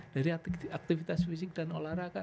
dari aktivitas fisik dan olahraga